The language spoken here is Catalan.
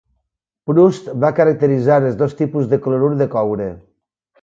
Proust va caracteritzar els dos tipus de clorur de coure.